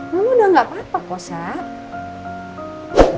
mama udah nggak apa apa kok sab